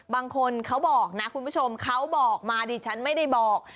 บางคนเขาบอกนะคุณผู้ชมเขาบอกมาดิฉันไม่ได้บอก